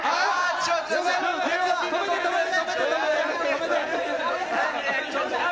止めて止めて！